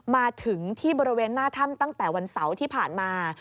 มาถึงที่บริเวณหน้าถ้ำตั้งแต่วันเสาร์ที่ผ่านมา